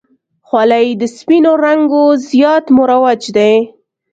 خولۍ د سپینو رنګو زیات مروج دی.